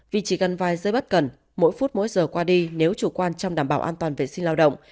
vì chỉ gần vai dưới bất cần mỗi phút mỗi giờ qua đi nếu chủ quan trong đảm bảo an toàn vệ sinh lao động